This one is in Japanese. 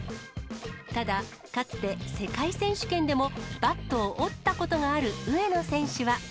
ただ、かつて世界選手権でも、バットを折ったことがある上野選手は。